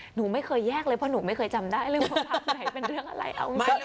หนูไม่เคยแยกเลยเพราะหนูไม่เคยจำได้เรื่องว่าพักไหนเป็นเรื่องอะไรเอาจริง